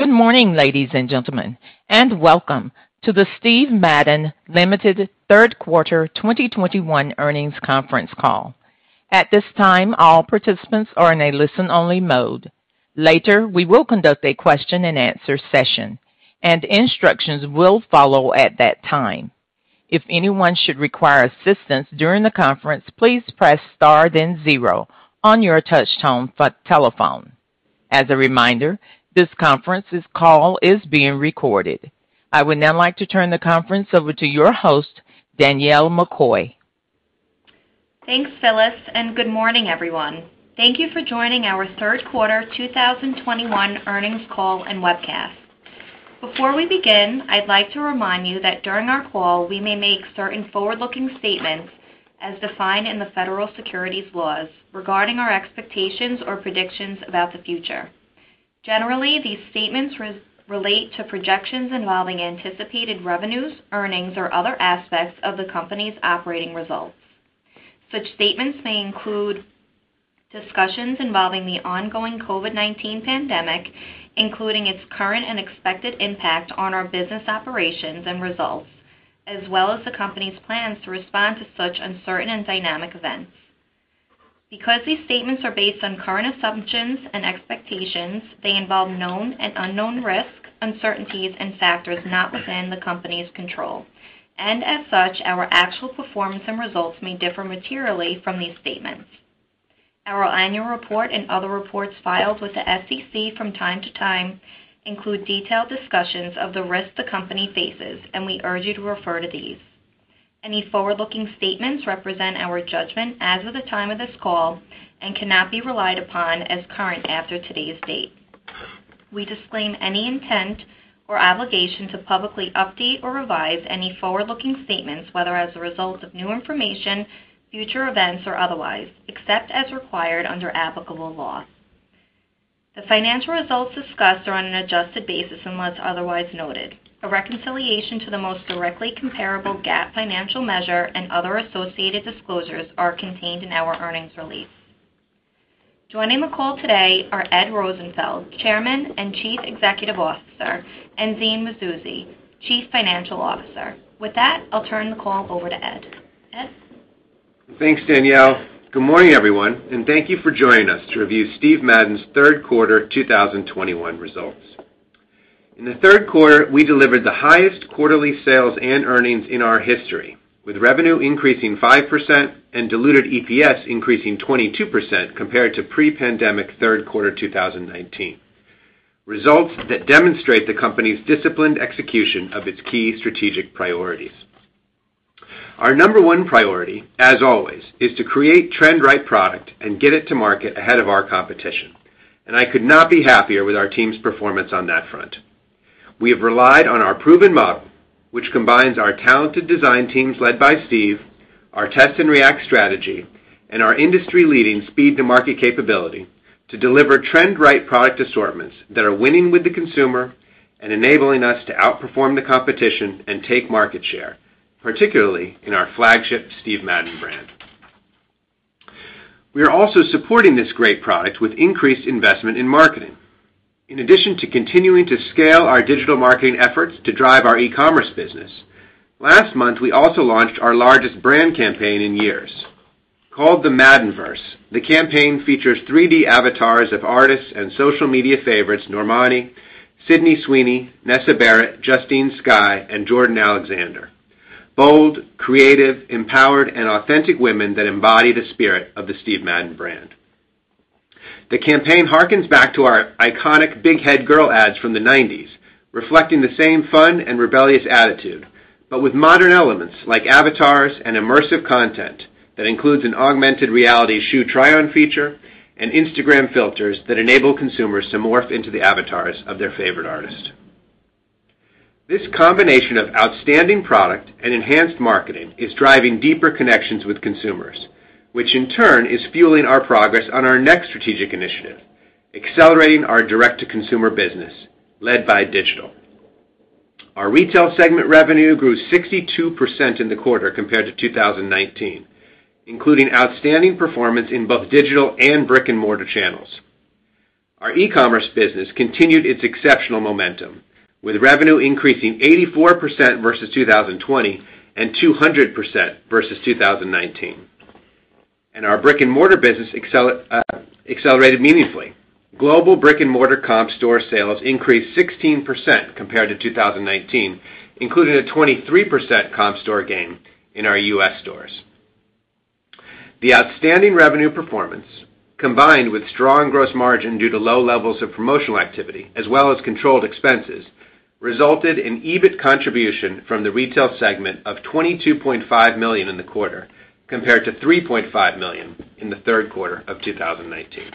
Good morning, ladies and gentlemen, and welcome to the Steven Madden, Ltd. Third Quarter 2021 earnings conference call. At this time, all participants are in a listen-only mode. Later, we will conduct a question-and-answer session, and instructions will follow at that time. If anyone should require assistance during the conference, please press star then zero on your touch tone telephone. As a reminder, this call is being recorded. I would now like to turn the conference over to your host, Danielle McCoy. Thanks, Phyllis, and good morning, everyone. Thank you for joining our third quarter 2021 earnings call and webcast. Before we begin, I'd like to remind you that during our call we may make certain forward-looking statements as defined in the federal securities laws regarding our expectations or predictions about the future. Generally, these statements relate to projections involving anticipated revenues, earnings, or other aspects of the company's operating results. Such statements may include discussions involving the ongoing COVID-19 pandemic, including its current and expected impact on our business operations and results, as well as the company's plans to respond to such uncertain and dynamic events. Because these statements are based on current assumptions and expectations, they involve known and unknown risks, uncertainties and factors not within the company's control, and as such, our actual performance and results may differ materially from these statements. Our annual report and other reports filed with the SEC from time to time include detailed discussions of the risks the company faces, and we urge you to refer to these. Any forward-looking statements represent our judgment as of the time of this call and cannot be relied upon as current after today's date. We disclaim any intent or obligation to publicly update or revise any forward-looking statements, whether as a result of new information, future events or otherwise, except as required under applicable law. The financial results discussed are on an adjusted basis unless otherwise noted. A reconciliation to the most directly comparable GAAP financial measure and other associated disclosures are contained in our earnings release. Joining the call today are Edward Rosenfeld, Chairman and Chief Executive Officer, and Zine Mazouzi, Chief Financial Officer. With that, I'll turn the call over to Ed. Ed? Thanks, Danielle. Good morning, everyone, and thank you for joining us to review Steven Madden's third quarter 2021 results. In the third quarter, we delivered the highest quarterly sales and earnings in our history, with revenue increasing 5% and diluted EPS increasing 22% compared to pre-pandemic third quarter 2019. Results that demonstrate the company's disciplined execution of its key strategic priorities. Our number one priority, as always, is to create trend right product and get it to market ahead of our competition, and I could not be happier with our team's performance on that front. We have relied on our proven model which combines our talented design teams led by Steve, our test and react strategy, and our industry-leading speed to market capability to deliver trend-right product assortments that are winning with the consumer and enabling us to outperform the competition and take market share, particularly in our flagship Steve Madden brand. We are also supporting this great product with increased investment in marketing. In addition to continuing to scale our digital marketing efforts to drive our e-commerce business, last month, we also launched our largest brand campaign in years. Called the Maddenverse, the campaign features 3-D avatars of artists and social media favorites Normani, Sydney Sweeney, Nessa Barrett, Justine Skye, and Jordan Alexander. Bold, creative, empowered, and authentic women that embody the spirit of the Steve Madden brand. The campaign harkens back to our iconic Big Head Girl ads from the 90s, reflecting the same fun and rebellious attitude, but with modern elements like avatars and immersive content that includes an augmented reality shoe try on feature and Instagram filters that enable consumers to morph into the avatars of their favorite artist. This combination of outstanding product and enhanced marketing is driving deeper connections with consumers, which in turn is fueling our progress on our next strategic initiative, accelerating our direct-to-consumer business led by digital. Our retail segment revenue grew 62% in the quarter compared to 2019, including outstanding performance in both digital and brick-and-mortar channels. Our e-commerce business continued its exceptional momentum, with revenue increasing 84% versus 2020 and 200% versus 2019. Our brick-and-mortar business accelerated meaningfully. Global brick-and-mortar comp store sales increased 16% compared to 2019, including a 23% comp store gain in our U.S. stores. The outstanding revenue performance, combined with strong gross margin due to low levels of promotional activity as well as controlled expenses, resulted in EBIT contribution from the retail segment of $22.5 million in the quarter, compared to $3.5 million in the third quarter of 2019.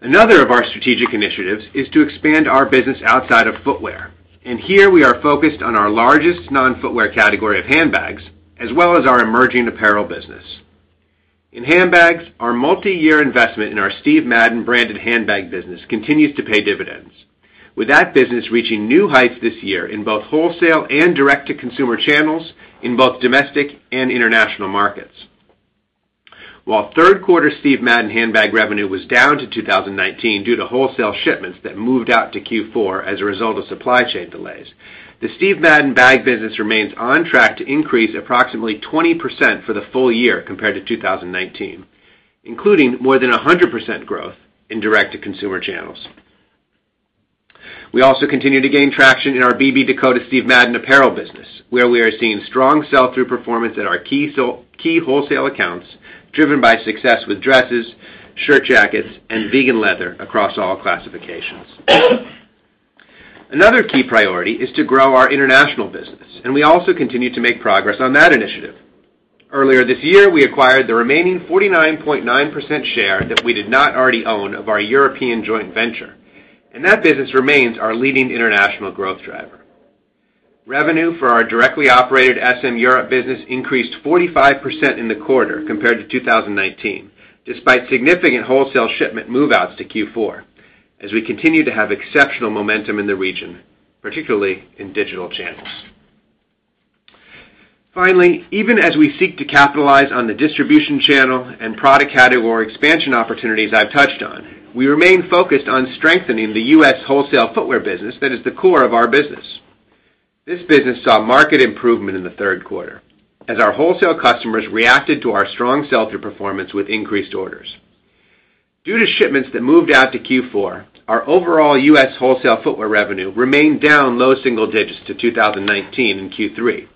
Another of our strategic initiatives is to expand our business outside of footwear, and here we are focused on our largest non-footwear category of handbags as well as our emerging apparel business. In handbags, our multi-year investment in our Steve Madden branded handbag business continues to pay dividends. With that business reaching new heights this year in both wholesale and direct-to-consumer channels in both domestic and international markets. While third quarter Steve Madden handbag revenue was down to 2019 due to wholesale shipments that moved out to Q4 as a result of supply chain delays, the Steve Madden bag business remains on track to increase approximately 20% for the full year compared to 2019, including more than 100% growth in direct-to-consumer channels. We also continue to gain traction in our BB Dakota Steve Madden apparel business, where we are seeing strong sell-through performance at our key wholesale accounts, driven by success with dresses, shirt jackets, and vegan leather across all classifications. Another key priority is to grow our international business, and we also continue to make progress on that initiative. Earlier this year, we acquired the remaining 49.9% share that we did not already own of our European joint venture, and that business remains our leading international growth driver. Revenue for our directly operated SM Europe business increased 45% in the quarter compared to 2019, despite significant wholesale shipment move-outs to Q4 as we continue to have exceptional momentum in the region, particularly in digital channels. Finally, even as we seek to capitalize on the distribution channel and product category expansion opportunities I've touched on, we remain focused on strengthening the U.S. wholesale footwear business that is the core of our business. This business saw market improvement in the third quarter as our wholesale customers reacted to our strong sell-through performance with increased orders. Due to shipments that moved out to Q4, our overall U.S. wholesale footwear revenue remained down low single digits to 2019 in Q3.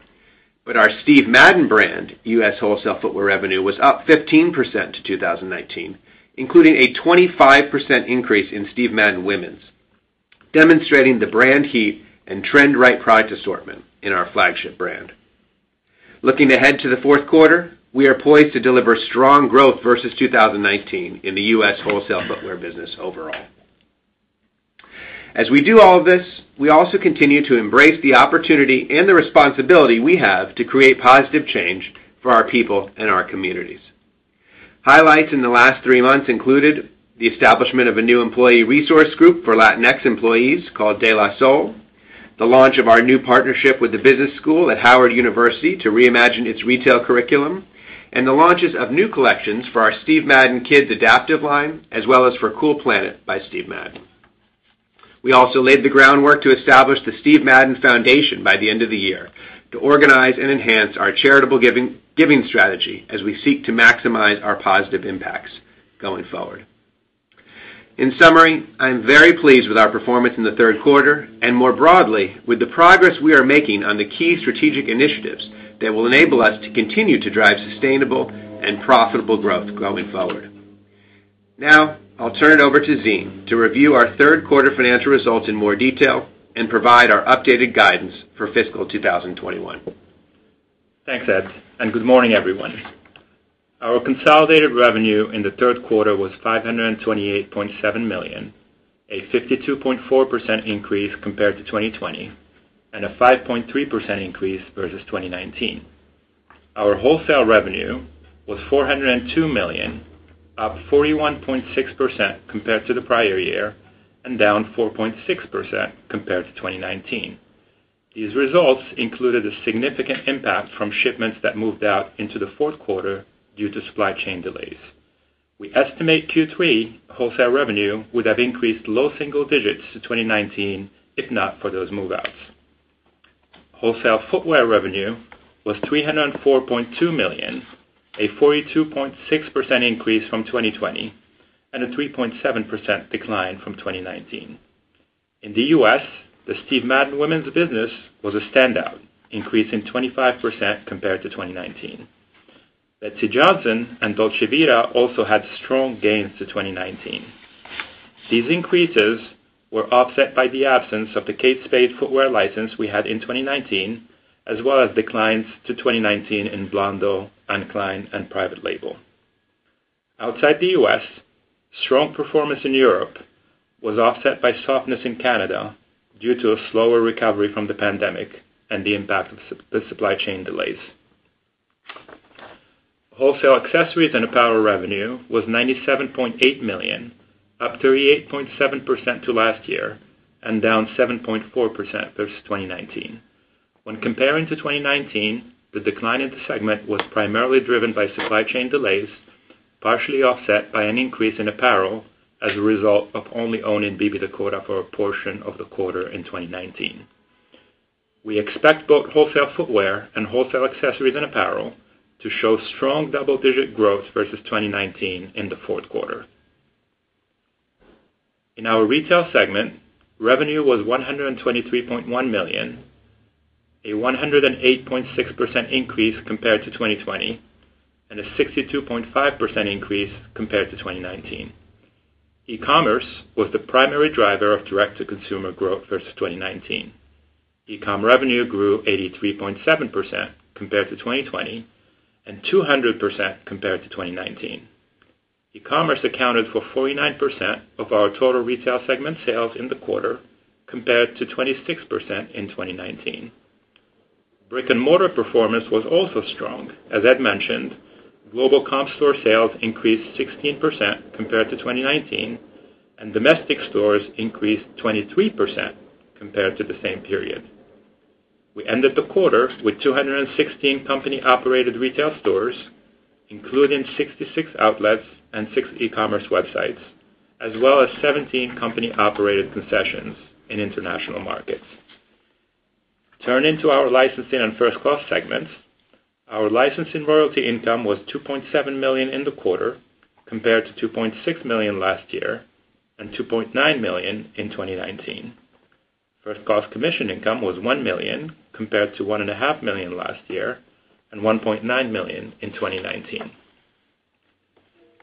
Our Steve Madden brand U.S. wholesale footwear revenue was up 15% to 2019, including a 25% increase in Steve Madden Women's, demonstrating the brand heat and trend-right product assortment in our flagship brand. Looking ahead to the fourth quarter, we are poised to deliver strong growth versus 2019 in the U.S. wholesale footwear business overall. As we do all of this, we also continue to embrace the opportunity and the responsibility we have to create positive change for our people and our communities. Highlights in the last three months included the establishment of a new employee resource group for Latinx employees called De La Sole, the launch of our new partnership with the business school at Howard University to reimagine its retail curriculum, and the launches of new collections for our Steve Madden Kids adaptive line, as well as for Cool Planet by Steve Madden. We also laid the groundwork to establish the Steve Madden Foundation by the end of the year to organize and enhance our charitable giving strategy as we seek to maximize our positive impacts going forward. In summary, I am very pleased with our performance in the third quarter, and more broadly, with the progress we are making on the key strategic initiatives that will enable us to continue to drive sustainable and profitable growth going forward. Now, I'll turn it over to Zine Mazouzi to review our third quarter financial results in more detail and provide our updated guidance for fiscal 2021. Thanks, Ed, and good morning, everyone. Our consolidated revenue in the third quarter was $528.7 million, a 52.4% increase compared to 2020, and a 5.3% increase versus 2019. Our wholesale revenue was $402 million, up 41.6% compared to the prior year and down 4.6% compared to 2019. These results included a significant impact from shipments that moved out into the fourth quarter due to supply chain delays. We estimate Q3 wholesale revenue would have increased low single digits to 2019 if not for those move-outs. Wholesale footwear revenue was $304.2 million, a 42.6% increase from 2020 and a 3.7% decline from 2019. In the U.S., the Steve Madden Women's business was a standout, increasing 25% compared to 2019. Betsey Johnson and Dolce Vita also had strong gains to 2019. These increases were offset by the absence of the Kate Spade footwear license we had in 2019, as well as declines to 2019 in Blondo, Anne Klein, and private label. Outside the U.S., strong performance in Europe was offset by softness in Canada due to a slower recovery from the pandemic and the impact of the supply chain delays. Wholesale accessories and apparel revenue was $97.8 million, up 38.7% to last year and down 7.4% versus 2019. When comparing to 2019, the decline in the segment was primarily driven by supply chain delays, partially offset by an increase in apparel as a result of only owning BB Dakota for a portion of the quarter in 2019. We expect both wholesale footwear and wholesale accessories and apparel to show strong double-digit growth versus 2019 in the fourth quarter. In our retail segment, revenue was $123.1 million, a 108.6% increase compared to 2020, and a 62.5% increase compared to 2019. E-commerce was the primary driver of direct-to-consumer growth versus 2019. E-com revenue grew 83.7% compared to 2020 and 200% compared to 2019. E-commerce accounted for 49% of our total retail segment sales in the quarter, compared to 26% in 2019. Brick-and-mortar performance was also strong. As Ed mentioned, global comp store sales increased 16% compared to 2019, and domestic stores increased 23% compared to the same period. We ended the quarter with 216 company-operated retail stores, including 66 outlets and six e-commerce websites, as well as 17 company-operated concessions in international markets. Turning to our licensing and First Cost segments. Our licensing royalty income was $2.7 million in the quarter compared to $2.6 million last year and $2.9 million in 2019. First Cost commission income was $1 million compared to $1.5 million last year and $1.9 million in 2019.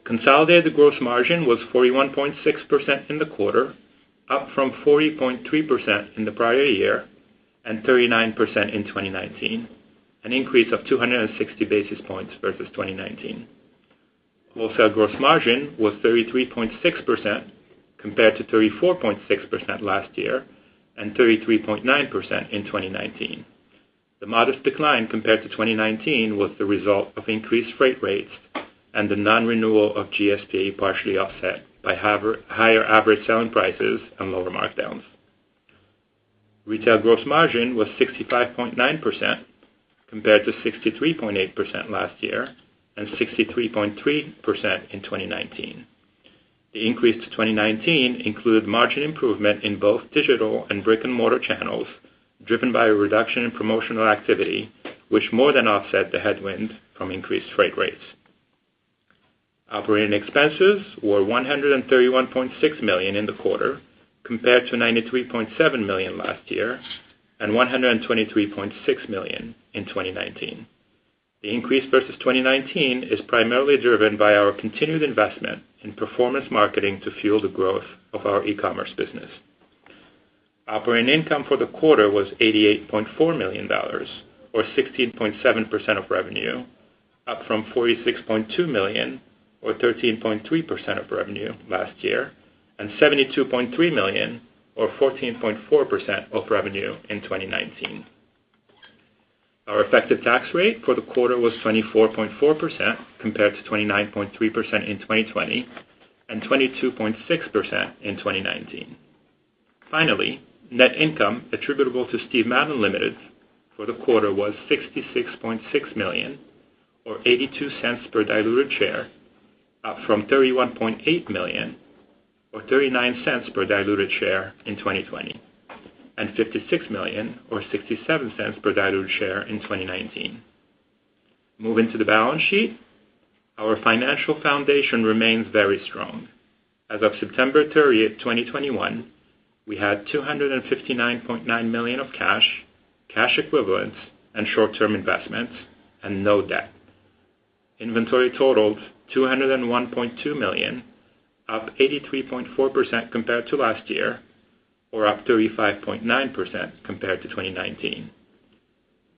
Consolidated gross margin was 41.6% in the quarter, up from 40.3% in the prior year and 39% in 2019, an increase of 260 basis points versus 2019. Wholesale gross margin was 33.6% compared to 34.6% last year and 33.9% in 2019. The modest decline compared to 2019 was the result of increased freight rates and the non-renewal of GSP, partially offset by higher average selling prices and lower markdowns. Retail gross margin was 65.9% compared to 63.8% last year and 63.3% in 2019. The increase to 2019 included margin improvement in both digital and brick-and-mortar channels, driven by a reduction in promotional activity, which more than offset the headwind from increased freight rates. Operating expenses were $131.6 million in the quarter, compared to $93.7 million last year and $123.6 million in 2019. The increase versus 2019 is primarily driven by our continued investment in performance marketing to fuel the growth of our e-commerce business. Operating income for the quarter was $88.4 million, or 16.7% of revenue, up from $46.2 million or 13.3% of revenue last year and $72.3 million or 14.4% of revenue in 2019. Our effective tax rate for the quarter was 24.4% compared to 29.3% in 2020 and 22.6% in 2019. Finally, net income attributable to Steven Madden, Ltd. For the quarter was $66.6 million, or $0.82 per diluted share, up from $31.8 million or $0.39 per diluted share in 2020, and $56 million or $0.67 per diluted share in 2019. Moving to the balance sheet. Our financial foundation remains very strong. As of September 30th, 2021, we had $259.9 million of cash equivalents and short-term investments and no debt. Inventory totaled $201.2 million, up 83.4% compared to last year or up 35.9% compared to 2019.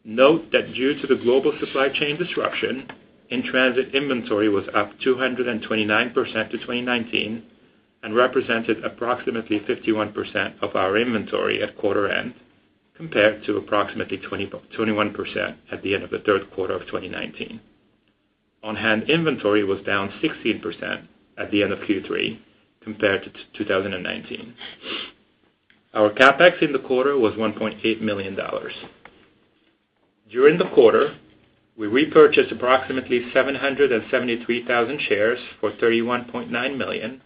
Note that due to the global supply chain disruption, in-transit inventory was up 229% to 2019 and represented approximately 51% of our inventory at quarter end, compared to approximately 21% at the end of the third quarter of 2019. On-hand inventory was down 16% at the end of Q3 compared to 2019. Our CapEx in the quarter was $1.8 million. During the quarter, we repurchased approximately 773,000 shares for $31.9 million,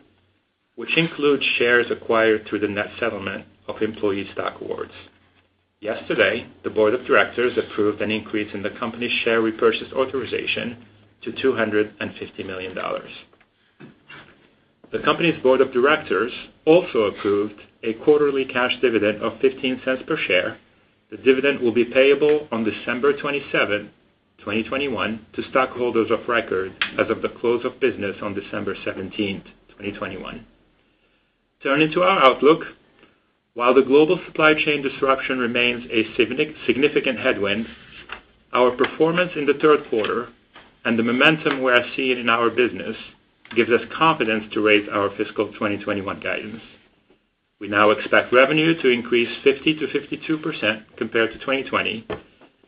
which includes shares acquired through the net settlement of employee stock awards. Yesterday, the board of directors approved an increase in the company's share repurchase authorization to $250 million. The company's board of directors also approved a quarterly cash dividend of $0.15 per share. The dividend will be payable on December 27th, 2021 to stockholders of record as of the close of business on December 17th, 2021. Turning to our outlook. While the global supply chain disruption remains a significant headwind, our performance in the third quarter and the momentum we are seeing in our business gives us confidence to raise our fiscal 2021 guidance. We now expect revenue to increase 50%-52% compared to 2020,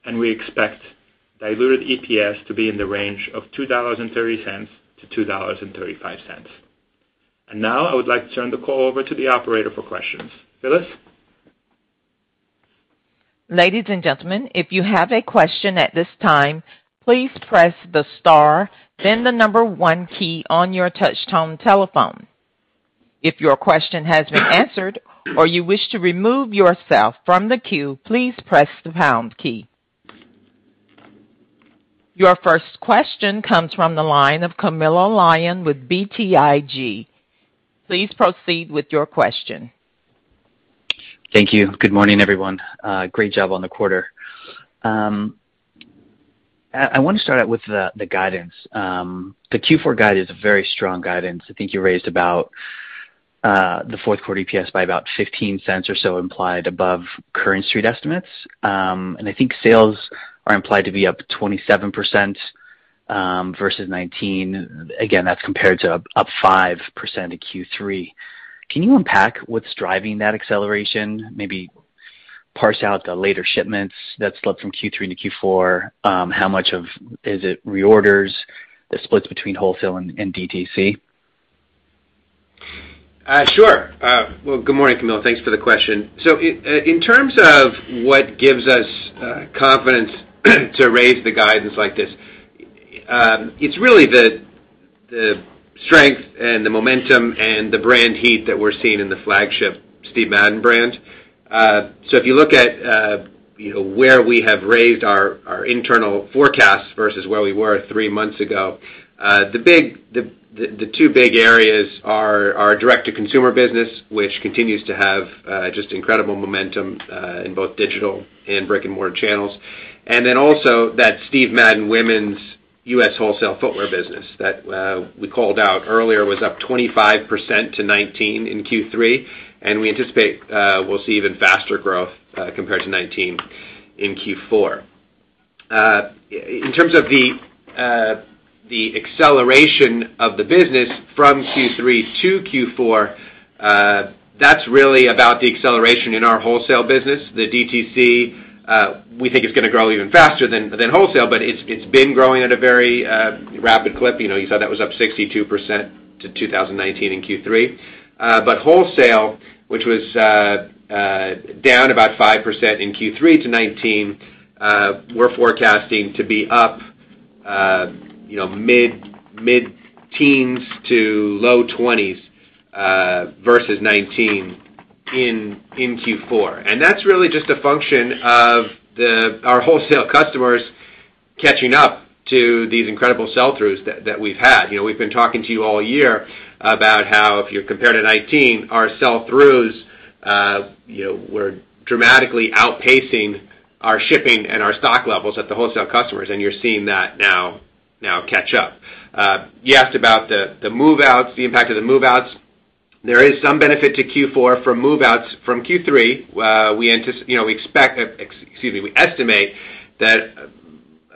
and we expect diluted EPS to be in the range of $2.30-$2.35. Now I would like to turn the call over to the operator for questions. Phyllis. Ladies and gentlemen, if you have a question at this time, please press the star, then the number one key on your touch tone telephone. If your question has been answered or you wish to remove yourself from the queue, please press the pound key. Your first question comes from the line of Camilo Lyon with BTIG. Please proceed with your question. Thank you. Good morning, everyone. Great job on the quarter. I want to start out with the guidance. The Q4 guide is a very strong guidance. I think you raised the fourth quarter EPS by about $0.15 or so implied above current street estimates. I think sales are implied to be up 27% versus 19. Again, that's compared to up 5% in Q3. Can you unpack what's driving that acceleration? Maybe parse out the later shipments that slipped from Q3 to Q4. How much of it is reorders that split between wholesale and DTC? Sure. Well, good morning, Camilo. Thanks for the question. In terms of what gives us confidence to raise the guidance like this, it's really the strength and the momentum and the brand heat that we're seeing in the flagship Steve Madden brand. If you look at, you know, where we have raised our internal forecasts versus where we were three months ago, the two big areas are our direct-to-consumer business, which continues to have just incredible momentum in both digital and brick-and-mortar channels, and then also that Steve Madden Women's U.S. wholesale footwear business that we called out earlier was up 25% to 2019 in Q3. We anticipate we'll see even faster growth compared to 2019 in Q4. In terms of the acceleration of the business from Q3 to Q4, that's really about the acceleration in our wholesale business. The DTC, we think it's gonna grow even faster than wholesale, but it's been growing at a very rapid clip. You know, you saw that was up 62% to 2019 in Q3. Wholesale, which was down about 5% in Q3 to 2019, we're forecasting to be up, you know, mid-teens% to low twenties% versus 2019 in Q4. That's really just a function of our wholesale customers catching up to these incredible sell-throughs that we've had. You know, we've been talking to you all year about how if you compare to 2019, our sell-throughs were dramatically outpacing our shipping and our stock levels at the wholesale customers, and you're seeing that now catch up. You asked about the move-outs, the impact of the move-outs. There is some benefit to Q4 from move-outs from Q3. We estimate that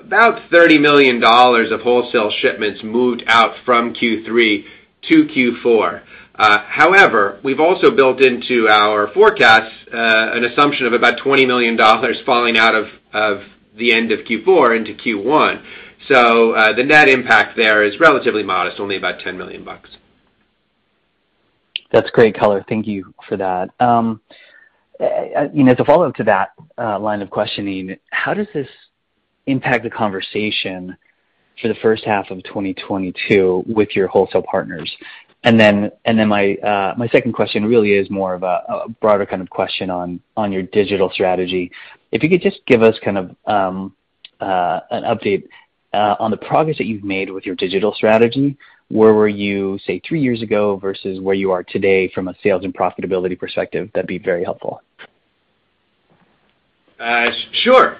about $30 million of wholesale shipments moved out from Q3 to Q4. However, we've also built into our forecast an assumption of about $20 million falling out of the end of Q4 into Q1. The net impact there is relatively modest, only about $10 million. That's great color. Thank you for that. You know, as a follow-up to that, line of questioning, how does this impact the conversation for the first half of 2022 with your wholesale partners? My second question really is more of a broader kind of question on your digital strategy. If you could just give us kind of an update on the progress that you've made with your digital strategy, where were you, say, three years ago versus where you are today from a sales and profitability perspective, that'd be very helpful. Sure.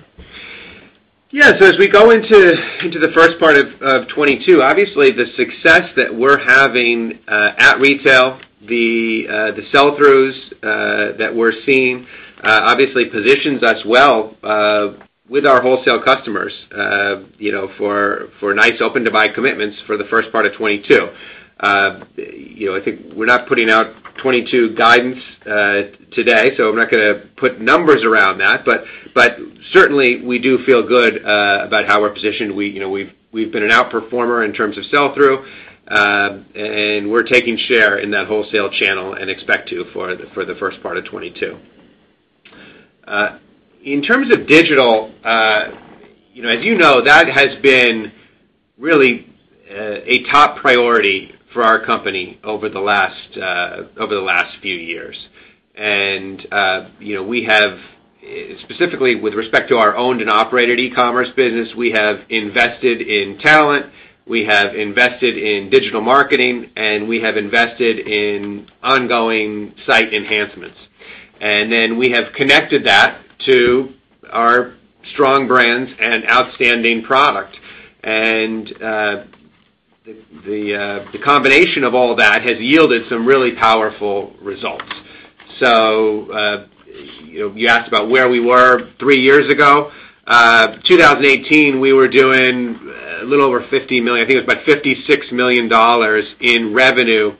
Yeah, as we go into the first part of 2022, obviously the success that we're having at retail, the sell-throughs that we're seeing obviously positions us well with our wholesale customers, you know, for nice open-to-buy commitments for the first part of 2022. You know, I think we're not putting out 2022 guidance today, so I'm not gonna put numbers around that. Certainly, we do feel good about how we're positioned. We, you know, we've been an outperformer in terms of sell-through, and we're taking share in that wholesale channel and expect to for the first part of 2022. In terms of digital, you know, as you know, that has been really a top priority for our company over the last few years. You know, we have specifically with respect to our owned and operated e-commerce business, we have invested in talent, we have invested in digital marketing, and we have invested in ongoing site enhancements. Then we have connected that to our strong brands and outstanding product. The combination of all that has yielded some really powerful results. You know, you asked about where we were three years ago. 2018, we were doing a little over $50 million, I think it was about $56 million in revenue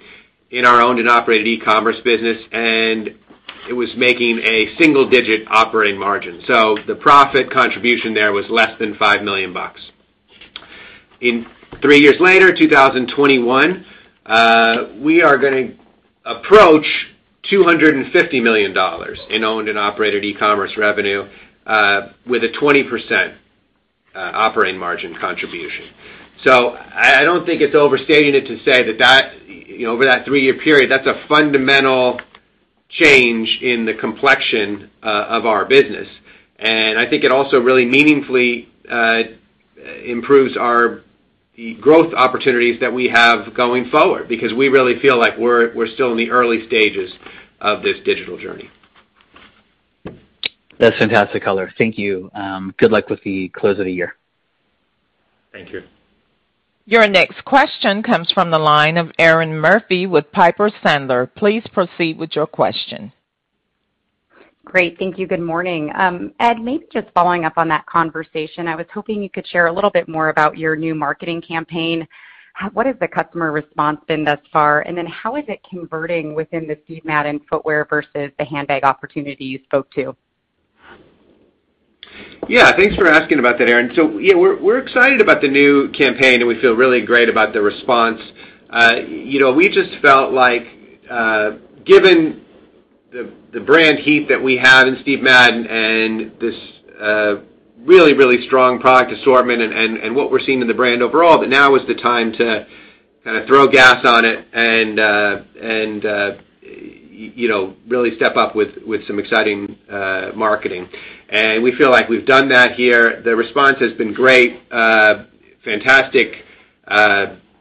in our owned and operated e-commerce business, and it was making a single-digit operating margin. The profit contribution there was less than $5 million. In three years later, 2021, we are gonna approach $250 million in owned and operated e-commerce revenue with a 20% operating margin contribution. I don't think it's overstating it to say that, you know, over that three-year period, that's a fundamental change in the complexion of our business. I think it also really meaningfully improves our growth opportunities that we have going forward because we really feel like we're still in the early stages of this digital journey. That's fantastic color. Thank you. Good luck with the close of the year. Thank you. Your next question comes from the line of Erinn Murphy with Piper Sandler. Please proceed with your question. Great. Thank you. Good morning. Ed, maybe just following up on that conversation, I was hoping you could share a little bit more about your new marketing campaign. What has the customer response been thus far? How is it converting within the Steve Madden footwear versus the handbag opportunity you spoke to? Yeah, thanks for asking about that, Erinn. Yeah, we're excited about the new campaign, and we feel really great about the response. You know, we just felt like, given the brand heat that we have in Steve Madden and this, really strong product assortment and what we're seeing in the brand overall, that now is the time to kinda throw gas on it and, you know, really step up with some exciting marketing. We feel like we've done that here. The response has been great. Fantastic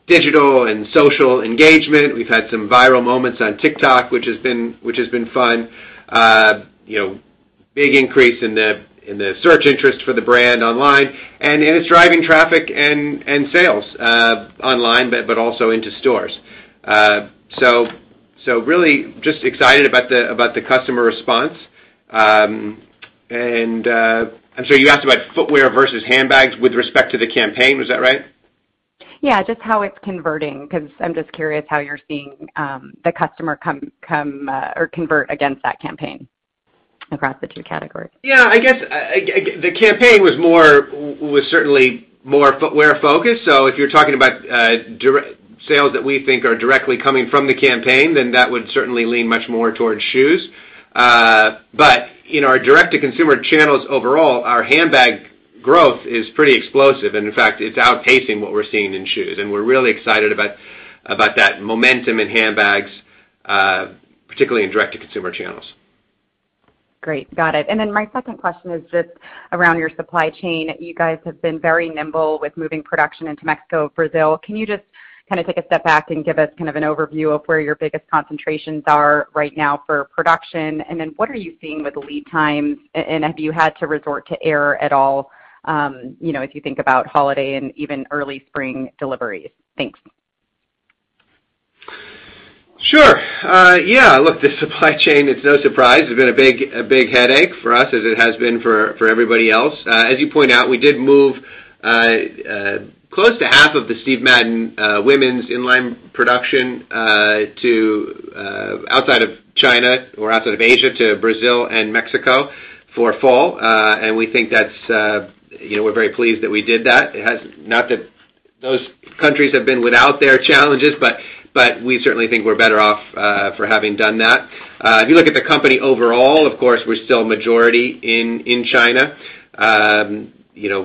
digital and social engagement. We've had some viral moments on TikTok, which has been fun. You know, big increase in the search interest for the brand online, and it's driving traffic and sales online, but also into stores. Really just excited about the customer response. I'm sure you asked about footwear versus handbags with respect to the campaign. Was that right? Yeah, just how it's converting, 'cause I'm just curious how you're seeing the customer come or convert against that campaign across the two categories? Yeah, I guess, again, the campaign was certainly more footwear focused, so if you're talking about direct sales that we think are directly coming from the campaign, then that would certainly lean much more towards shoes. But in our direct-to-consumer channels overall, our handbag growth is pretty explosive, and in fact, it's outpacing what we're seeing in shoes. We're really excited about that momentum in handbags, particularly in direct-to-consumer channels. Great. Got it. My second question is just around your supply chain. You guys have been very nimble with moving production into Mexico, Brazil. Can you just kind of take a step back and give us kind of an overview of where your biggest concentrations are right now for production? What are you seeing with lead times, and have you had to resort to air at all, you know, as you think about holiday and even early spring deliveries? Thanks. Sure. Yeah, look, the supply chain, it's no surprise, has been a big headache for us as it has been for everybody else. As you point out, we did move close to half of the Steve Madden women's in-line production to outside of China or outside of Asia to Brazil and Mexico for fall, and we think that's, you know, we're very pleased that we did that. It has not that those countries have been without their challenges, but we certainly think we're better off for having done that. If you look at the company overall, of course, we're still majority in China. You know,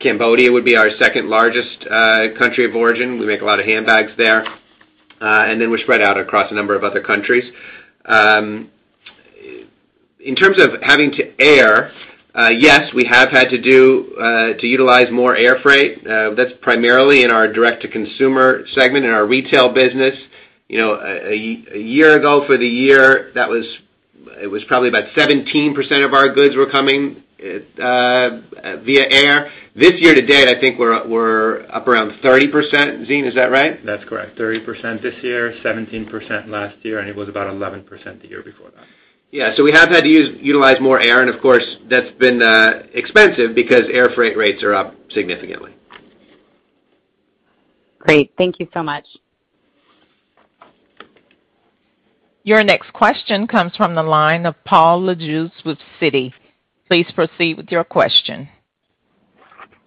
Cambodia would be our second-largest country of origin. We make a lot of handbags there. We're spread out across a number of other countries. In terms of having to utilize more air freight, that's primarily in our direct-to-consumer segment in our retail business. You know, a year ago for the year, that was probably about 17% of our goods were coming via air. This year to date, I think we're up around 30%. Zine, is that right? That's correct. 30% this year, 17% last year, and it was about 11% the year before that. Yeah, we have had to utilize more air, and of course, that's been expensive because air freight rates are up significantly. Great. Thank you so much. Your next question comes from the line of Paul Lejuez with Citi. Please proceed with your question.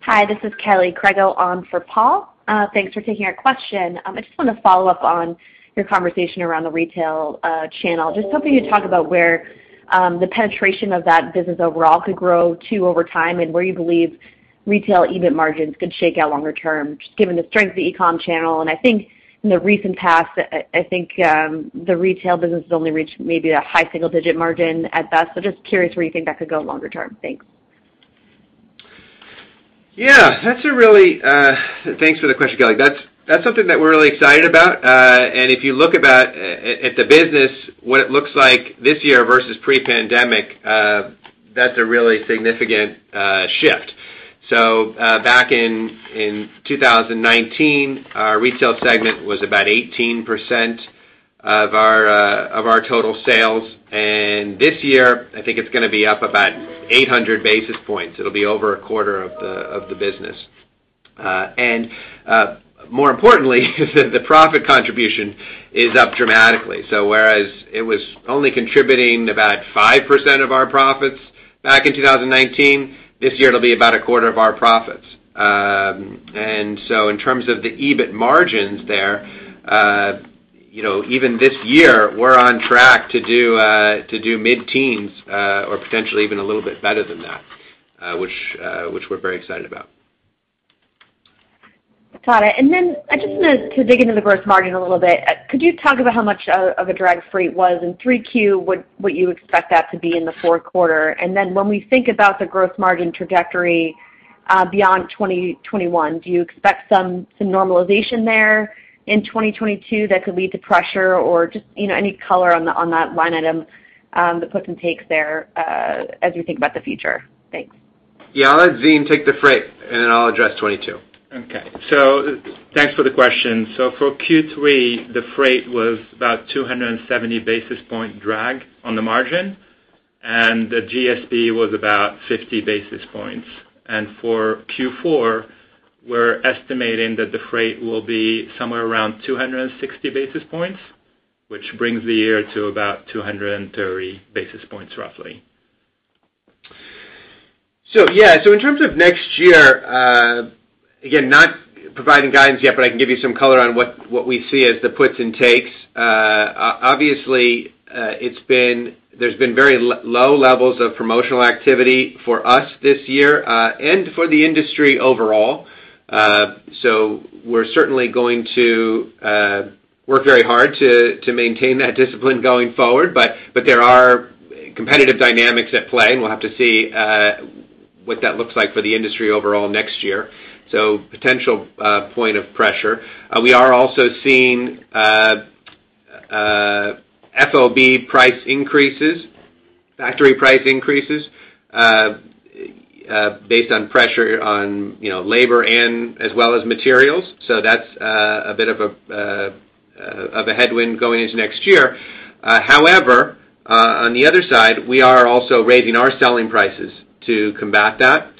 Hi, this is Kelly Crago on for Paul. Thanks for taking our question. I just wanna follow up on your conversation around the retail channel. Just hoping you'd talk about where the penetration of that business overall could grow to over time and where you believe retail EBIT margins could shake out longer term, just given the strength of the e-com channel. I think in the recent past the retail business has only reached maybe a high single-digit margin at best. Just curious where you think that could go longer term. Thanks. Thanks for the question, Kelly. That's something that we're really excited about. If you look at the business, what it looks like this year versus pre-pandemic, that's a really significant shift. Back in 2019, our retail segment was about 18% of our total sales. This year, I think it's gonna be up about 800 basis points. It'll be over a quarter of the business. More importantly is that the profit contribution is up dramatically. Whereas it was only contributing about 5% of our profits back in 2019, this year it'll be about a quarter of our profits. In terms of the EBIT margins there, you know, even this year, we're on track to do mid-teens or potentially even a little bit better than that, which we're very excited about. Got it. Then I just wanted to dig into the gross margin a little bit. Could you talk about how much of a drag freight was in 3Q, what you expect that to be in the fourth quarter? When we think about the gross margin trajectory beyond 2021, do you expect some normalization there in 2022 that could lead to pressure or just you know any color on that line item, the puts and takes there as we think about the future? Thanks. Yeah, I'll let Zine take the freight, and then I'll address 22. Okay. Thanks for the question. For Q3, the freight was about 270 basis point drag on the margin, and the GSP was about 50 basis points. For Q4, we're estimating that the freight will be somewhere around 260 basis points. Which brings the year to about 230 basis points roughly. In terms of next year, again, not providing guidance yet, but I can give you some color on what we see as the puts and takes. Obviously, there's been very low levels of promotional activity for us this year, and for the industry overall. We're certainly going to work very hard to maintain that discipline going forward, but there are competitive dynamics at play, and we'll have to see what that looks like for the industry overall next year. Potential point of pressure. We are also seeing FOB price increases, factory price increases, based on pressure on, you know, labor and as well as materials. That's a bit of a headwind going into next year. However, on the other side, we are also raising our selling prices to combat that.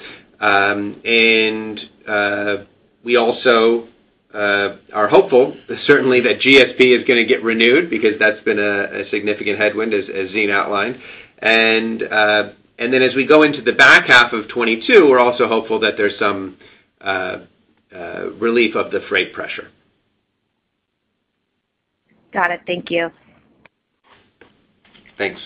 We also are hopeful certainly that GSP is gonna get renewed because that's been a significant headwind, as Zane outlined. Then as we go into the back half of 2022, we're also hopeful that there's some relief of the freight pressure. Got it. Thank you. Thanks.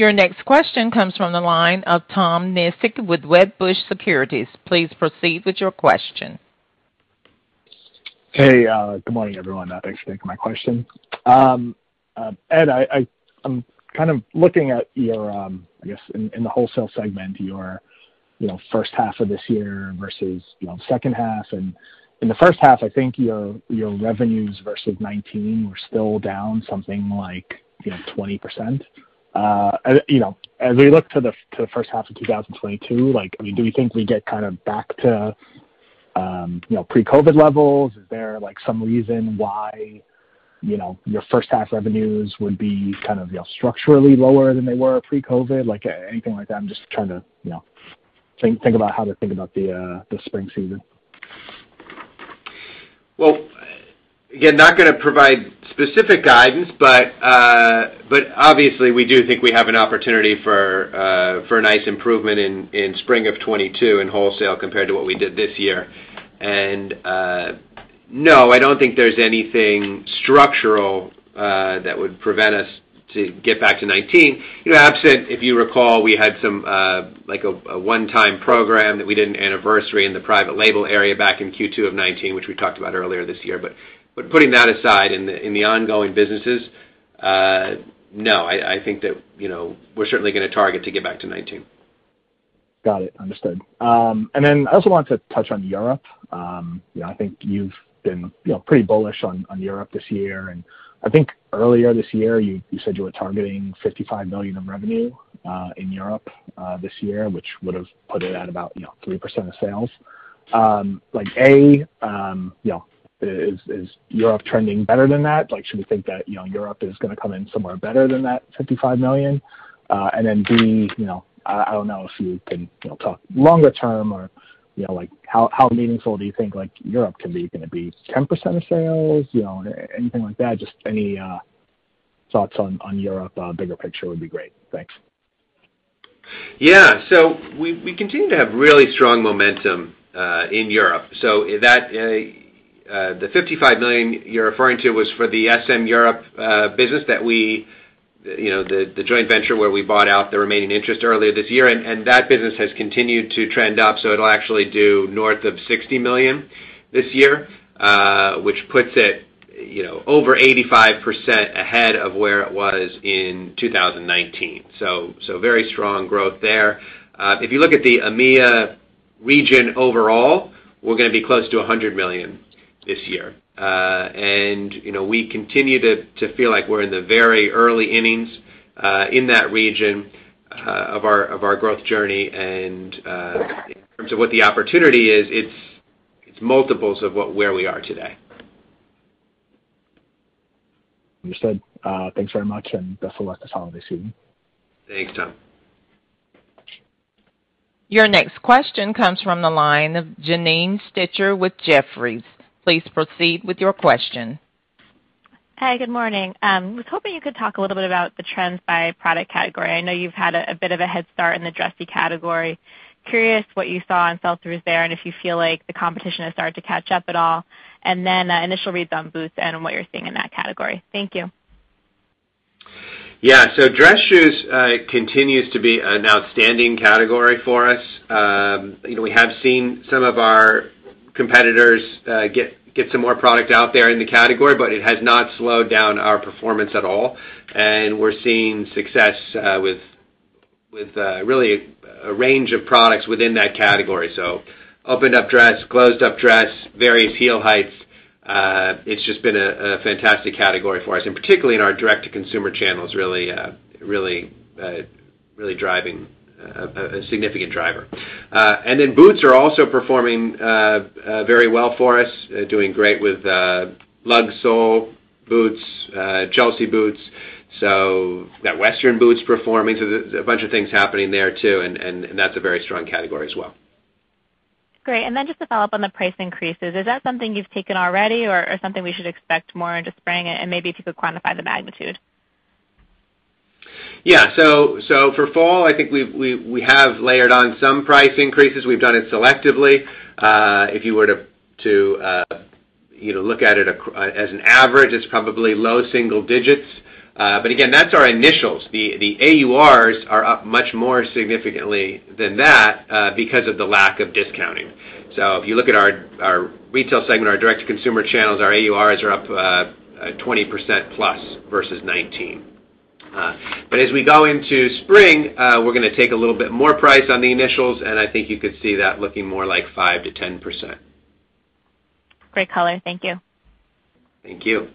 Your next question comes from the line of Tom Nikic with Wedbush Securities. Please proceed with your question. Hey, good morning, everyone. Thanks for taking my question. Ed, I'm kind of looking at your, I guess in the wholesale segment, your first half of this year versus second half. In the first half, I think your revenues versus 2019 were still down something like 20%. As we look to the first half of 2022, like, do you think we get kind of back to pre-COVID levels? Is there, like, some reason why your first half revenues would be kind of structurally lower than they were pre-COVID? Like, anything like that? I'm just trying to think about how to think about the spring season. Well, again, not gonna provide specific guidance, but obviously, we do think we have an opportunity for a nice improvement in spring of 2022 in wholesale compared to what we did this year. No, I don't think there's anything structural that would prevent us to get back to 2019. You know, absent, if you recall, we had some like a one-time program that we did in anniversary in the private label area back in Q2 of 2019, which we talked about earlier this year. Putting that aside, in the ongoing businesses, no, I think that, you know, we're certainly gonna target to get back to 2019. Got it. Understood. I also wanted to touch on Europe. You know, I think you've been, you know, pretty bullish on Europe this year. I think earlier this year, you said you were targeting $55 million of revenue in Europe this year, which would've put it at about, you know, 3% of sales. Like, A, you know, is Europe trending better than that? Like, should we think that, you know, Europe is gonna come in somewhere better than that $55 million? B, you know, I don't know if you can, you know, talk longer term or, you know, like how meaningful do you think, like, Europe can be? Can it be 10% of sales? You know, anything like that? Just any thoughts on Europe bigger picture would be great. Thanks. Yeah. We continue to have really strong momentum in Europe. That the $55 million you're referring to was for the SM Europe business that we, you know, the joint venture where we bought out the remaining interest earlier this year. That business has continued to trend up, so it'll actually do north of $60 million this year, which puts it, you know, over 85% ahead of where it was in 2019. Very strong growth there. If you look at the EMEA region overall, we're gonna be close to $100 million this year. You know, we continue to feel like we're in the very early innings in that region of our growth journey. In terms of what the opportunity is, it's multiples of what we are today. Understood. Thanks very much, and best of luck this holiday season. Thanks, Tom. Your next question comes from the line of Janine Stichter with Jefferies. Please proceed with your question. Hey, good morning. I was hoping you could talk a little bit about the trends by product category. I know you've had a bit of a head start in the dressy category. Curious what you saw in sell-throughs there and if you feel like the competition has started to catch up at all. Initial reads on boots and what you're seeing in that category. Thank you. Yeah. Dress shoes continues to be an outstanding category for us. You know, we have seen some of our competitors get some more product out there in the category, but it has not slowed down our performance at all. We're seeing success with really a range of products within that category. Open-toe dress, closed-toe dress, various heel heights. It's just been a fantastic category for us, and particularly in our direct-to-consumer channels, really driving a significant driver. And then boots are also performing very well for us, doing great with lug sole boots, Chelsea boots. Western boots performing, so there's a bunch of things happening there too, and that's a very strong category as well. Great. Just to follow up on the price increases, is that something you've taken already or something we should expect more into spring? Maybe if you could quantify the magnitude. For fall, I think we have layered on some price increases. We have done it selectively. If you were to, you know, look at it as an average, it's probably low single digits. But again, that's our initials. AURs are up much more significantly than that, because of the lack of discounting. If you look at our retail segment, our direct-to-consumer channels, AURs are up 20%+ versus 2019. As we go into spring, we're gonna take a little bit more price on the initials, and I think you could see that looking more like 5%-10%. Great color. Thank you. Thank you.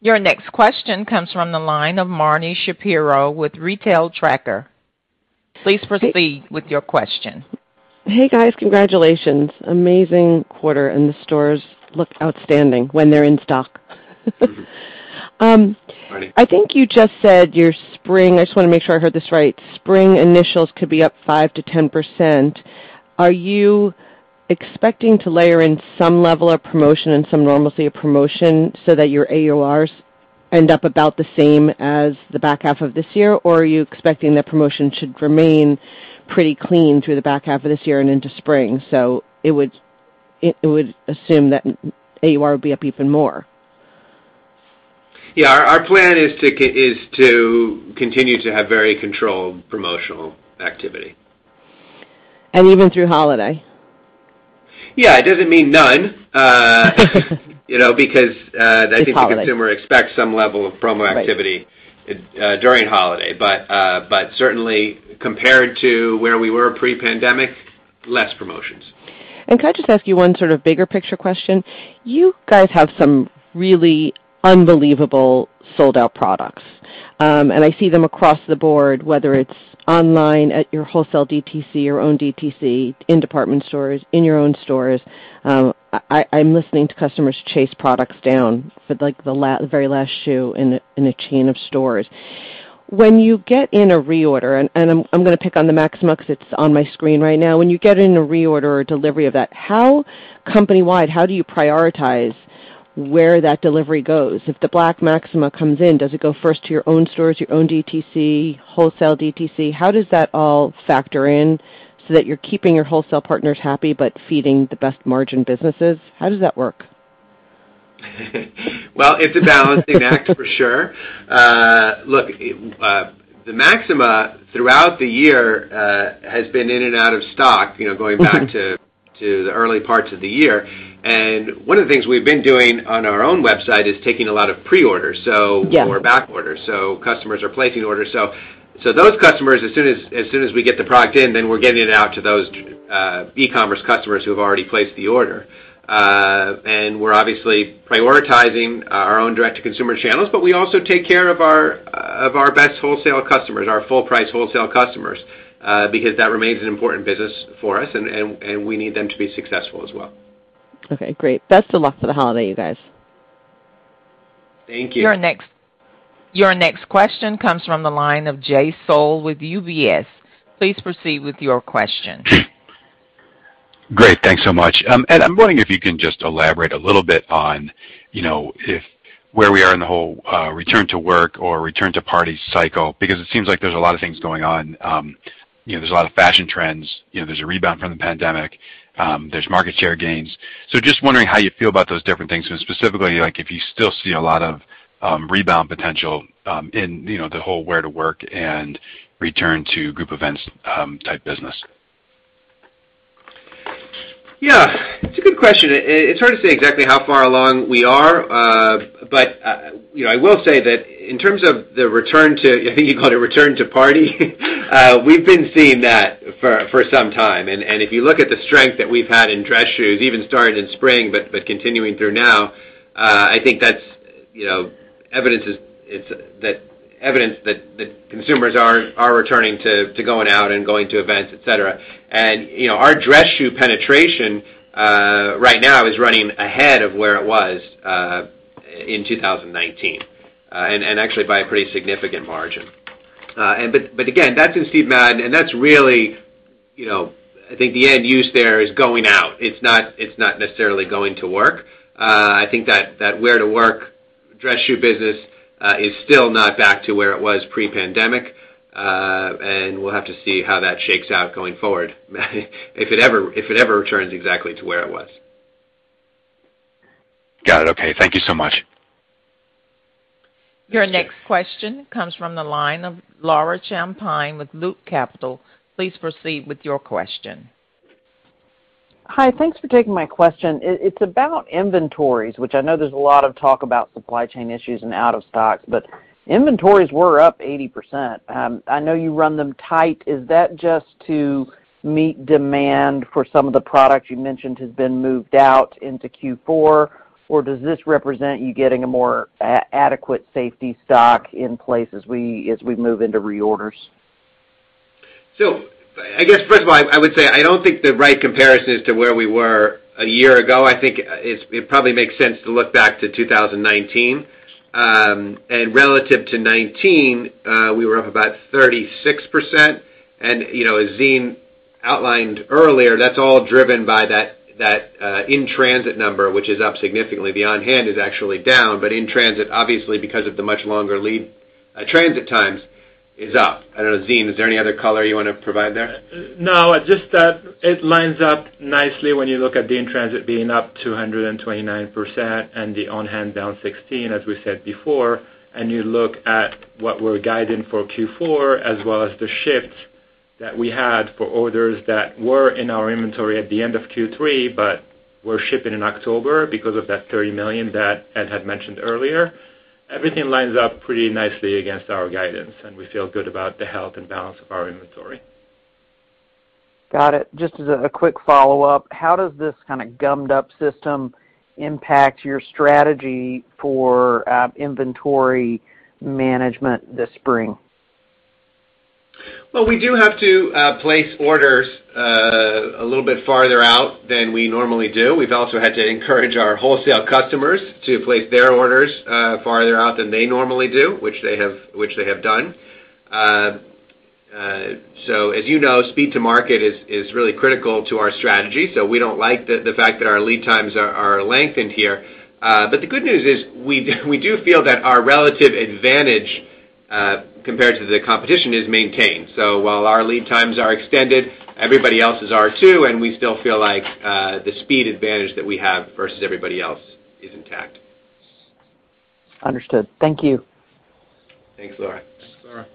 Your next question comes from the line of Marni Shapiro with Retail Tracker. Please proceed with your question. Hey, guys. Congratulations. Amazing quarter, and the stores look outstanding when they're in stock. Marni. I think you just said your spring initials could be up 5%-10%. I just wanna make sure I heard this right. Spring initials could be up 5%-10%. Are you expecting to layer in some level of promotion and some normalcy of promotion so that your AURs end up about the same as the back half of this year? Or are you expecting that promotion should remain pretty clean through the back half of this year and into spring, so it would assume that AUR would be up even more? Our plan is to continue to have very controlled promotional activity. Even through holiday? Yeah. It doesn't mean none. You know, because- It's holiday. ...I think the consumer expects some level of promo activity. Right. During holiday, but certainly compared to where we were pre-pandemic, less promotions. Could I just ask you one sort of bigger picture question? You guys have some really unbelievable sold-out products. I see them across the board, whether it's online at your wholesale DTC, your own DTC, in department stores, in your own stores. I'm listening to customers chase products down for like the very last shoe in a chain of stores. When you get in a reorder, I'm gonna pick on the MAXIMA 'cause it's on my screen right now. When you get in a reorder or delivery of that, how company-wide, how do you prioritize where that delivery goes? If the black MAXIMA comes in, does it go first to your own stores, your own DTC, wholesale DTC? How does that all factor in so that you're keeping your wholesale partners happy but feeding the best margin businesses? How does that work? Well, it's a balancing act for sure. Look, the MAXIMA, throughout the year, has been in and out of stock, you know, going back to the early parts of the year. One of the things we've been doing on our own website is taking a lot of pre-orders, so. Yeah or back orders. Customers are placing orders. Those customers, as soon as we get the product in, then we're getting it out to those e-commerce customers who have already placed the order. We're obviously prioritizing our own direct-to-consumer channels, but we also take care of our best wholesale customers, our full price wholesale customers, because that remains an important business for us and we need them to be successful as well. Okay, great. Best of luck for the holiday, you guys. Thank you. Your next question comes from the line of Jay Sole with UBS. Please proceed with your question. Great. Thanks so much. Ed, I'm wondering if you can just elaborate a little bit on, you know, where we are in the whole return to work or return to party cycle because it seems like there's a lot of things going on. You know, there's a lot of fashion trends. You know, there's a rebound from the pandemic. There's market share gains. Just wondering how you feel about those different things, and specifically, like if you still see a lot of rebound potential in, you know, the whole wear-to-work and return to group events type business. Yeah. It's a good question. It's hard to say exactly how far along we are. You know, I will say that in terms of the return to, I think you called it return to party, we've been seeing that for some time. If you look at the strength that we've had in dress shoes, even starting in spring but continuing through now, I think that's evidence that consumers are returning to going out and going to events, etc. You know, our dress shoe penetration right now is running ahead of where it was in 2019 and actually by a pretty significant margin. Again, that's really, you know, I think the end use there is going out. It's not necessarily going to work. I think that the wear-to-work dress shoe business is still not back to where it was pre-pandemic, and we'll have to see how that shakes out going forward, if it ever returns exactly to where it was. Got it. Okay. Thank you so much. Thanks. Your next question comes from the line of Laura Champine with Loop Capital. Please proceed with your question. Hi. Thanks for taking my question. It's about inventories, which I know there's a lot of talk about supply chain issues and out of stocks. Inventories were up 80%. I know you run them tight. Is that just to meet demand for some of the products you mentioned has been moved out into Q4, or does this represent you getting a more adequate safety stock in place as we move into reorders? I guess, first of all, I would say I don't think the right comparison is to where we were a year ago. I think it probably makes sense to look back to 2019. Relative to 2019, we were up about 36%. You know, as Zine outlined earlier, that's all driven by that in-transit number, which is up significantly. The on-hand is actually down, but in-transit, obviously, because of the much longer transit times is up. I don't know. Zine, is there any other color you wanna provide there? No. Just that it lines up nicely when you look at the in-transit being up 229% and the on-hand down 16%, as we said before. You look at what we're guiding for Q4, as well as the shift that we had for orders that were in our inventory at the end of Q3, but were shipping in October because of that $30 million that Ed had mentioned earlier. Everything lines up pretty nicely against our guidance, and we feel good about the health and balance of our inventory. Got it. Just as a quick follow-up, how does this kinda gummed up system impact your strategy for inventory management this spring? Well, we do have to place orders a little bit farther out than we normally do. We've also had to encourage our wholesale customers to place their orders farther out than they normally do, which they have done. As you know, speed to market is really critical to our strategy, so we don't like the fact that our lead times are lengthened here. The good news is we do feel that our relative advantage compared to the competition is maintained. While our lead times are extended, everybody else's are too, and we still feel like the speed advantage that we have versus everybody else is intact. Understood. Thank you. Thanks, Laura. Thanks, Laura.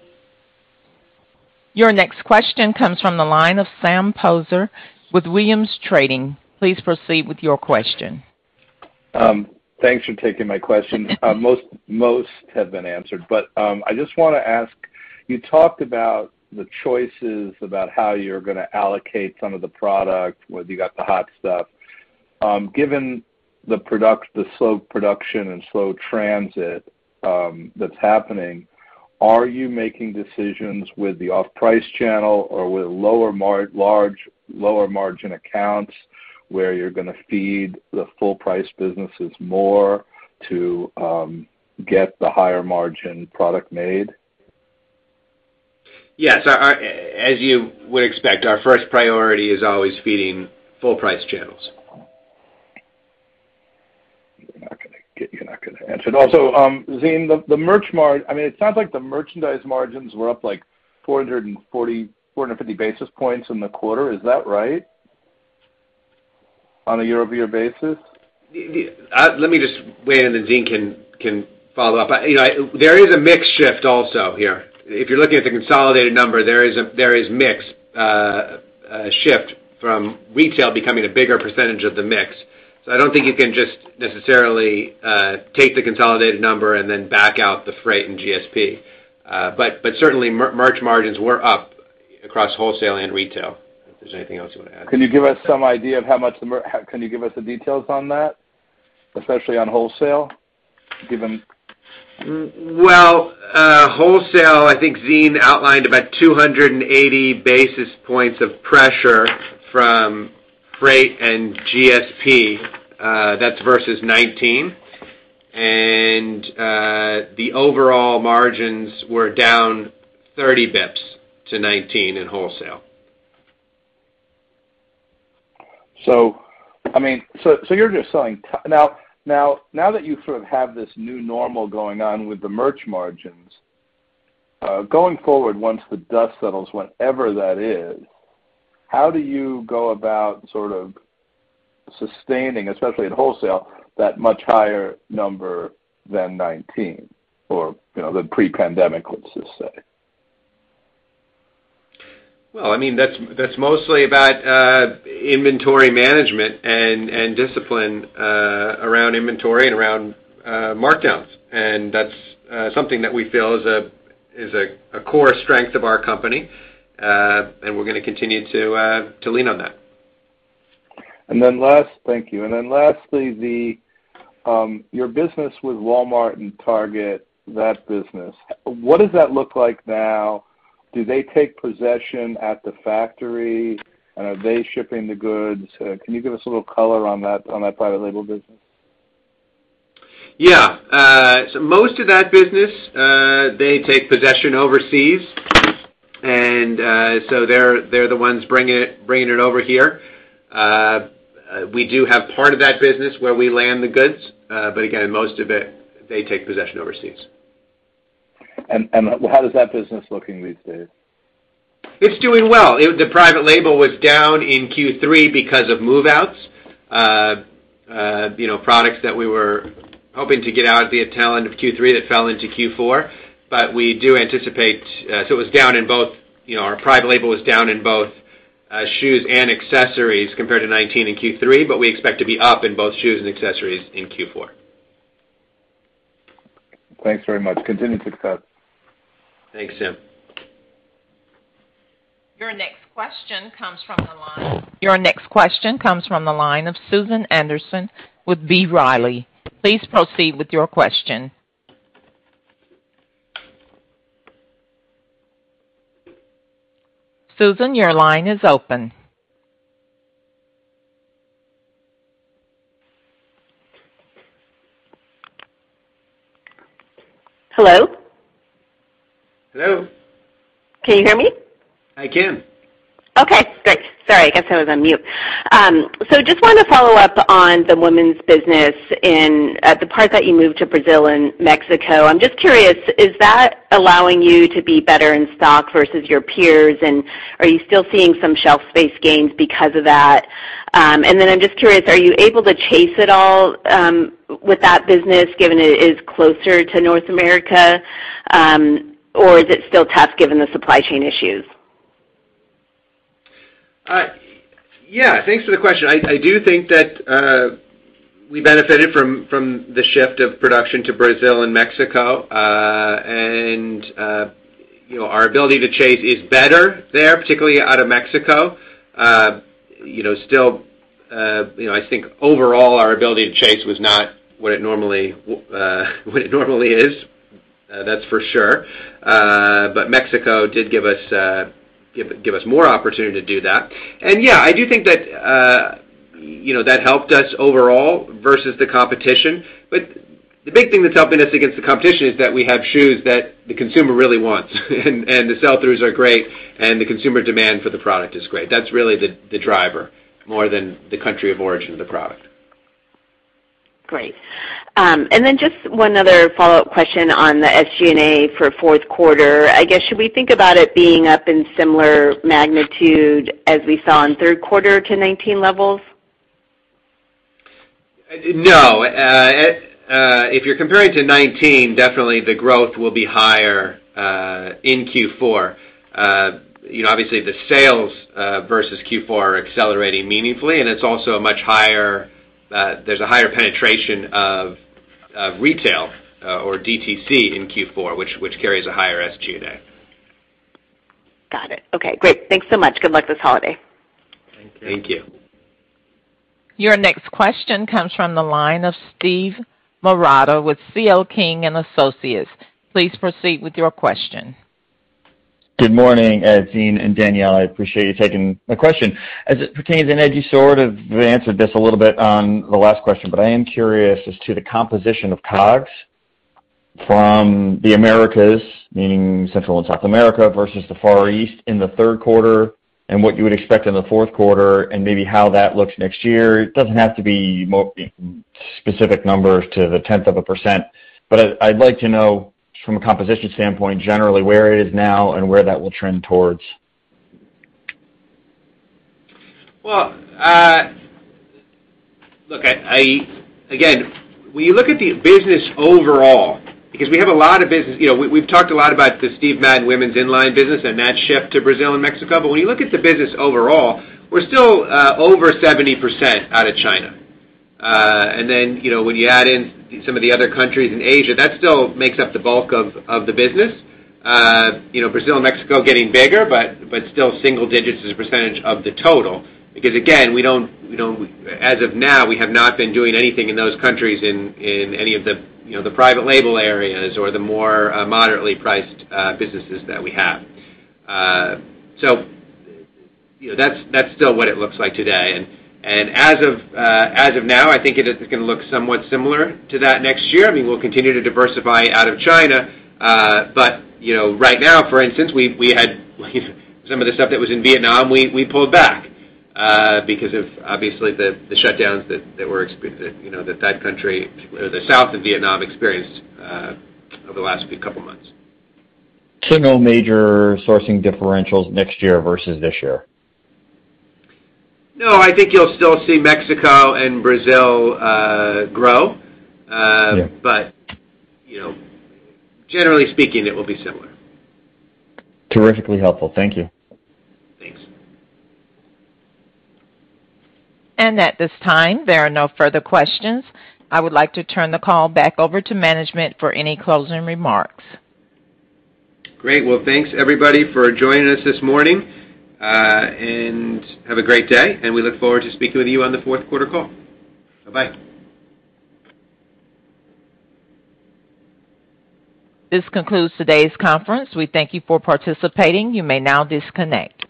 Your next question comes from the line of Sam Poser with Williams Trading. Please proceed with your question. Thanks for taking my question. Most have been answered. I just want to ask, you talked about the choices about how you're going to allocate some of the product, whether you got the hot stuff. Given the product, the slow production and slow transit that's happening, are you making decisions with the off-price channel or with lower margin accounts, where you're going to feed the full price businesses more to get the higher margin product made? Yes. As you would expect, our first priority is always feeding full price channels. You're not gonna answer. Also, Zine, I mean, it sounds like the merchandise margins were up, like, 440-450 basis points in the quarter. Is that right on a year-over-year basis? Let me just weigh in, and then Zine can follow up. You know, there is a mix shift also here. If you're looking at the consolidated number, there is a mix shift from retail becoming a bigger percentage of the mix. I don't think you can just necessarily take the consolidated number and then back out the freight and GSP. Certainly merch margins were up across wholesale and retail. If there's anything else you wanna add. Can you give us the details on that, especially on wholesale, given? Well, wholesale, I think Zine outlined about 280 basis points of pressure from freight and GSP. That's versus 2019. The overall margins were down 30 basis points to 2019 in wholesale. Now that you sort of have this new normal going on with the merch margins, going forward, once the dust settles, whenever that is, how do you go about sort of sustaining, especially in wholesale, that much higher number than 2019 or, you know, the pre-pandemic, let's just say? Well, I mean, that's mostly about inventory management and discipline around inventory and around markdowns. That's something that we feel is a core strength of our company. We're gonna continue to lean on that. Thank you. Lastly, your business with Walmart and Target, that business, what does that look like now? Do they take possession at the factory, and are they shipping the goods? Can you give us a little color on that, on that private label business? Yeah. Most of that business, they take possession overseas. They're the ones bringing it over here. We do have part of that business where we land the goods. Again, most of it, they take possession overseas. How is that business looking these days? It's doing well. The private label was down in Q3 because of move-outs, you know, products that we were hoping to get out at the tail end of Q3 that fell into Q4. We do anticipate, you know, our private label was down in both shoes and accessories compared to 2019 in Q3, but we expect to be up in both shoes and accessories in Q4. Thanks very much. Continued success. Thanks, Sam. Your next question comes from the line of Susan Anderson with B. Riley. Please proceed with your question. Susan, your line is open. Hello? Hello. Can you hear me? I can. Okay, great. Sorry, I guess I was on mute. Just wanted to follow up on the women's business in the part that you moved to Brazil and Mexico. I'm just curious, is that allowing you to be better in stock versus your peers? And are you still seeing some shelf space gains because of that? I'm just curious, are you able to chase at all with that business given it is closer to North America, or is it still tough given the supply chain issues? Yeah. Thanks for the question. I do think that we benefited from the shift of production to Brazil and Mexico. You know, our ability to chase is better there, particularly out of Mexico. You know, still, I think overall our ability to chase was not what it normally is, that's for sure. Mexico did give us more opportunity to do that. Yeah, I do think that you know, that helped us overall versus the competition. The big thing that's helping us against the competition is that we have shoes that the consumer really wants. The sell-throughs are great, and the consumer demand for the product is great. That's really the driver more than the country of origin of the product. Great. Just one other follow-up question on the SG&A for fourth quarter. I guess, should we think about it being up in similar magnitude as we saw in third quarter to 2019 levels? If you're comparing to 2019, definitely the growth will be higher in Q4. You know, obviously the sales versus Q4 are accelerating meaningfully, and it's also much higher. There's a higher penetration of retail or DTC in Q4, which carries a higher SG&A. Got it. Okay, great. Thanks so much. Good luck this holiday. Thank you. Your next question comes from the line of Steven Marotta with C.L. King & Associates. Please proceed with your question. Good morning, Zine and Danielle. I appreciate you taking my question. As it pertains, and as you sort of answered this a little bit on the last question, but I am curious as to the composition of COGS from the Americas, meaning Central and South America, versus the Far East in the third quarter, and what you would expect in the fourth quarter, and maybe how that looks next year. It doesn't have to be more specific numbers to the tenth of a percent, but I'd like to know from a composition standpoint, generally, where it is now and where that will trend towards. Well, look, again, when you look at the business overall, because we have a lot of business, you know, we've talked a lot about the Steve Madden women's inline business and that shift to Brazil and Mexico, but when you look at the business overall, we're still over 70% out of China. Then, you know, when you add in some of the other countries in Asia, that still makes up the bulk of the business. You know, Brazil and Mexico are getting bigger, but still single digits as a percentage of the total. Because again, we don't, as of now, we have not been doing anything in those countries in any of the, you know, the private label areas or the more moderately priced businesses that we have. You know, that's still what it looks like today. As of now, I think it is gonna look somewhat similar to that next year. I mean, we'll continue to diversify out of China. You know, right now for instance, we had, like, some of the stuff that was in Vietnam, we pulled back because of obviously the shutdowns that that country or the South of Vietnam experienced over the last couple months. No major sourcing differentials next year versus this year? No, I think you'll still see Mexico and Brazil, grow. Yeah. You know, generally speaking, it will be similar. Terrifically helpful. Thank you. Thanks. At this time, there are no further questions. I would like to turn the call back over to management for any closing remarks. Great. Well, thanks everybody for joining us this morning. Have a great day, and we look forward to speaking with you on the fourth quarter call. Bye-bye. This concludes today's conference. We thank you for participating. You may now disconnect.